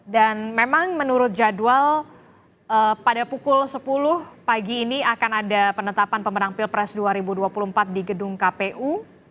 memang menurut jadwal pada pukul sepuluh pagi ini akan ada penetapan pemenang pilpres dua ribu dua puluh empat di gedung kpu